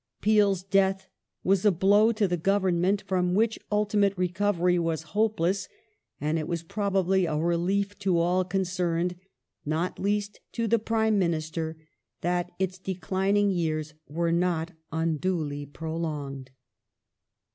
Peel's death was a blow to the Government from which ultimate recovery was hopeless, and it was probably a relief to all concerned, not least to the Prime Minister, that its declining years were not unduly prolonged.